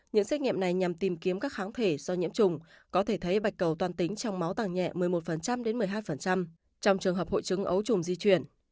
những xét nghiệm này nhằm tìm kiếm các kháng thể do nhiễm trùng có thể thấy bạch cầu toàn tính trong máu tàng nhẹ một mươi một một mươi hai trong trường hợp hội trứng ấu trùng di chuyển